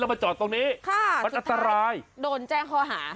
แล้วมาจอดตรงนี้ค่ะมันอัตรายสุดท้ายโดนแจ้งพอหา